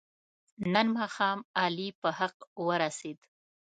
نن ماښام علي په حق ورسید.